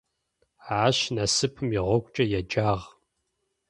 Ащ «Насыпым игъогукӏэ» еджагъ.